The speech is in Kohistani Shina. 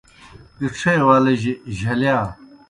اِڇھے ولِجیْ جھلِیا